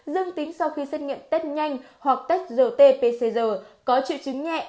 dương tính sau khi xét nghiệm test nhanh hoặc test rt pcr có triệu chứng nhẹ